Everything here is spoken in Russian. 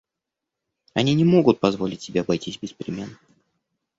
Они не могут позволить себе обойтись без перемен.